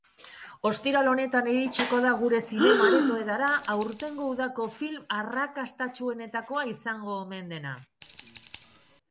Ostiral honetan iritsiko da gure zinema-aretoetara aurtengo udako film arrakastatsuenetakoa izango omen dena.